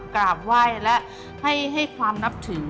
กราบไหว้และให้ความนับถือ